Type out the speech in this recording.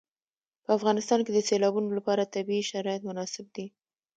په افغانستان کې د سیلابونو لپاره طبیعي شرایط مناسب دي.